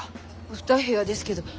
２部屋ですけど。